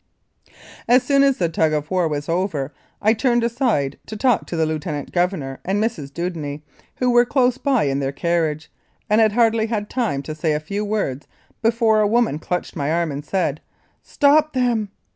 As soon as the tug was over I turned aside to talk to the Lieutenant Governor and Mrs. Dewdney, who were close by in their carriage, and had hardly had time to say a few words before a woman clutched my arm and said, "Stop them